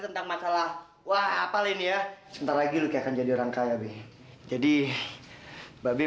tentang masalah wah apalagi ya sebentar lagi lukian kan jadi rangka ya jadi babi